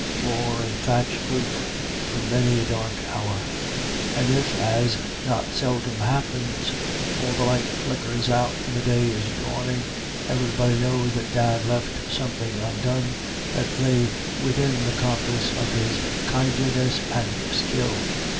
floor and thatch roof through many a dark hour ; and if, as not seldom happens, all the light flickers out when the day is dawning, everybody knows that Dan left nothing undone that lay within the compass of his kindliness and skill.